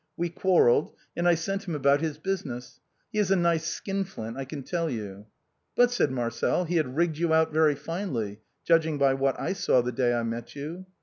We quarrelled, and I sent him about his business; he is a nice skin flint, I can tell you." " But," said Marcel, " he had rigged you out very finely, judging by what I saw the day I met you."